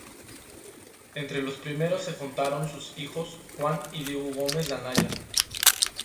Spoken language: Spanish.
Entre los primeros se contaron sus hijos Juan y Diego Gómez de Anaya.